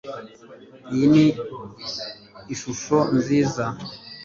Iyi ni ishusho nziza